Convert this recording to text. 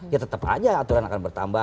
ya tetap aja aturan akan bertambah